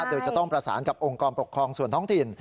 โดยจะต้องประสานกับองค์กรปกครองส่วนท้องถิ่น